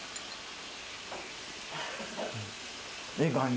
いい感じ。